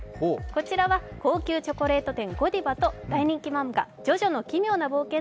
こちらは高級チョコレート店、ゴディバと「ジョジョの奇妙な冒険」